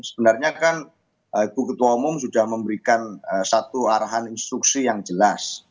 sebenarnya kan ibu ketua umum sudah memberikan satu arahan instruksi yang jelas